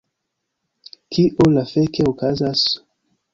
Kio la fek okazas...?